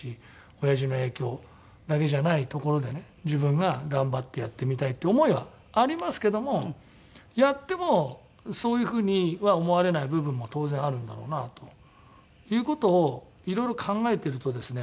親父の影響だけじゃないところでね自分が頑張ってやってみたいっていう思いはありますけどもやってもそういう風には思われない部分も当然あるんだろうなという事をいろいろ考えてるとですね